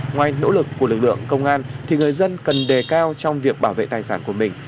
ngoài nỗ lực của lực lượng công an thì người dân cần đề cao trong việc bảo vệ tài sản của mình